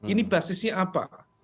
ini basisnya apa